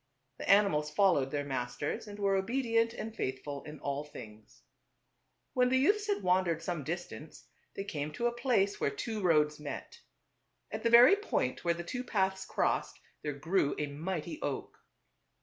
The animals followed their mas ters, and were obe dient and faithful in all things. When the youths had wandered some distance they came to a place where two roads met. At TWO BE OTHERS. 289 the very point where the two paths crossed there grew a mighty oak.